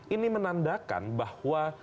ini menandakan bahwa